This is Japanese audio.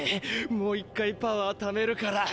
もう１回パワーためるから。